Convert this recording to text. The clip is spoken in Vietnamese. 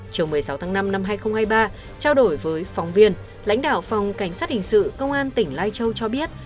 chiều một mươi sáu tháng năm năm hai nghìn hai mươi ba trao đổi với phóng viên lãnh đạo phòng cảnh sát hình sự công an tỉnh lai châu cho biết